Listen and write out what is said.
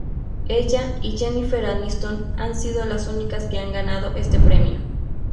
Ella y Jennifer Aniston han sido las únicas que han ganado este premio.